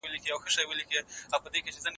باید د ټولنیزو قوانینو درناوی وشي.